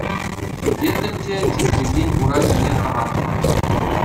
Сикеттӗм те чӗтрекен ура ҫине тӑраттӑм.